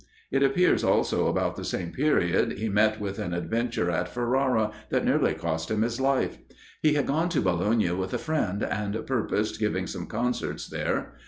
It appears also about the same period he met with an adventure at Ferrara that nearly cost him his life. He had gone to Bologna with a friend, and purposed giving some concerts there.